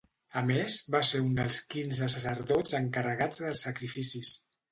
A més, va ser un dels quinze sacerdots encarregats dels sacrificis.